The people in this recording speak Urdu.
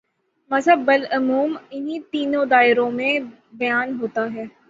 مذہب بالعموم انہی تینوں دائروں میں بیان ہوتا ہے۔